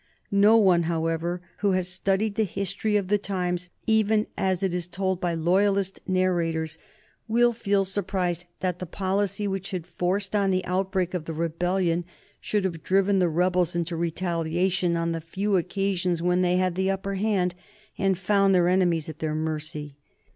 No one, however, who has studied the history of the times even as it is told by loyalist narrators will feel surprised that the policy which had forced on the outbreak of the rebellion should have driven the rebels into retaliation on the few occasions when they had the upper hand and found their enemies at their mercy.